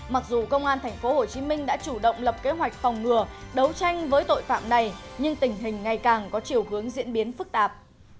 mặc dù công an tp hcm đã chủ động lập kế hoạch phòng ngừa đấu tranh với tội phạm này nhưng tình hình ngày càng có chiều hướng diễn biến phức tạp